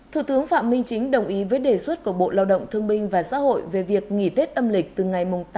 thủ tướng phạm minh chính đồng ý với đề xuất của bộ lao động thương minh và xã hội về việc nghỉ tết âm lịch từ ngày mùng